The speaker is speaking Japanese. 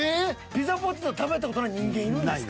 ピザポテト食べた事ない人間いるんですか。